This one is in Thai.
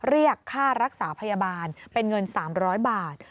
เรียกค่ารักษาพยาบาลเป็นเงิน๓๐๐บาท